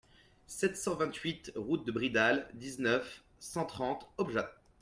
sept cent vingt-huit route de Bridal, dix-neuf, cent trente, Objat